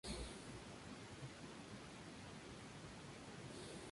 Durante la Primera Guerra Mundial se usó para entrenar a las tripulaciones.